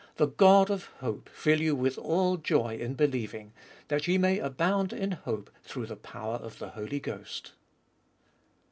"The God of hope fill you with all joy In believing, that ye may abound In hope through the power of the Holy Ghost."